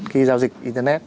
khi giao dịch internet